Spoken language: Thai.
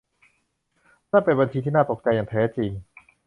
นั่นเป็นบัญชีที่น่าตกใจอย่างแท้จริง